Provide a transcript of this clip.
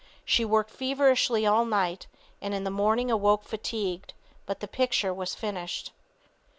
She worked feverishly all night, and in the morning awoke fatigued, but the picture was finished.